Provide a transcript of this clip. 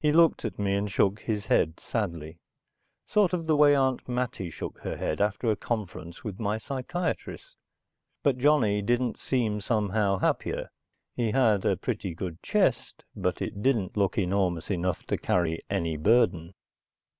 He looked at me and shook his head sadly. Sort of the way Aunt Mattie shook her head after a conference with my psychiatrist. But Johnny didn't seem somehow happier. He had a pretty good chest, but it didn't look enormous enough to carry any burden.